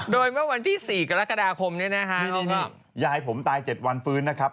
โดยเมื่อวันที่๔กรกฎาคมนี้นะฮะยายผมตาย๗วันฟื้นนะครับ